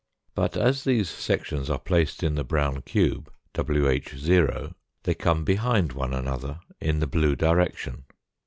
But as these sections are placed in the brown cube, wh , they come behind one another in the blue direction.